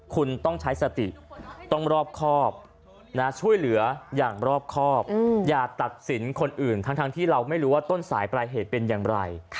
คุณต้องใช้สติต้องรอบครอบช่วยเหลืออย่างรอบครอบอย่าตัดสินคนอื่นทั้งที่เราไม่รู้ว่าต้นสายปลายเหตุเป็นอย่างไร